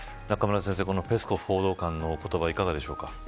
中村先生、ペスコフ報道官の言葉、いかがでしょうか。